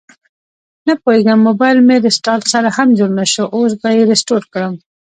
نپوهیږم مبایل مې ریسټارټ سره هم جوړ نشو، اوس به یې ریسټور کړم